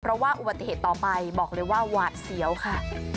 เพราะว่าอุบัติเหตุต่อไปบอกเลยว่าหวาดเสียวค่ะ